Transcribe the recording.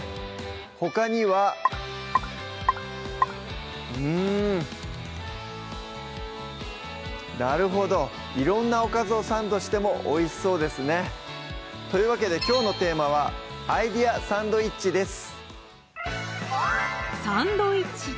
ほかにはうんなるほど色んなおかずをサンドしてもおいしそうですねというわけできょうのテーマは「アイデアサンドイッチ」です